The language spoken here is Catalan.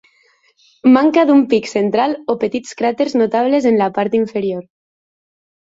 Manca d'un pic central o petits cràters notables en la part inferior.